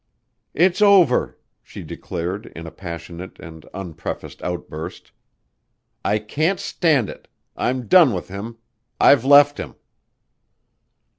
"It's over," she declared in a passionate and unprefaced outburst. "I can't stand it! I'm done with him! I've left him!"